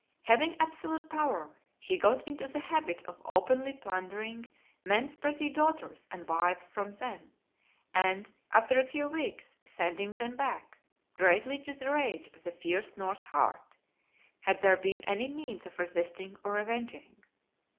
Having absolute power, he got into the habit of openly plundering men's pretty daughters and wives from them, and, after a few weeks, sending them back; greatly to the rage of the fierce Norse heart, had there been any means of resisting or revenging.